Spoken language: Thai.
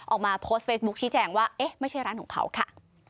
ออกมาโพสต์เฟซบุ๊คชี้แจงว่าเอ๊ะไม่ใช่ร้านของเขาค่ะ